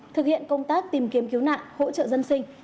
thực hiện công tác tìm kiếm cứu nạn hỗ trợ dân sinh